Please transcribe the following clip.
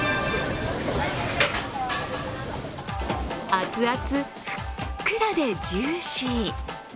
熱々、ふっくらでジューシー。